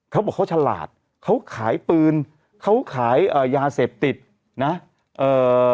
เขาบอกเขาฉลาดเขาขายปืนเขาขายเอ่อยาเสพติดนะเอ่อ